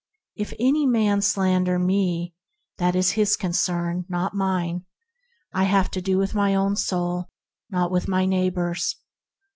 If a man slander me, that is his con cern, not mine. I have to do with my own soul, not with my neighbor's.